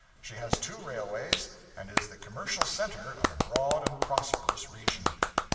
She has two railways, and is the commercial center of a broad and prosperous region.